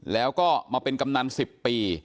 แล้วก็มาเป็นกำนัน๑๐ปี